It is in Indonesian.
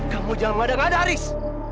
kamu jangan madang madan haris